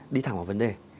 đi thẳng vào vấn đề